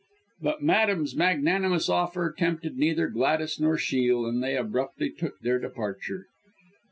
But Madame's magnanimous offer tempted neither Gladys nor Shiel; and they abruptly took their departure.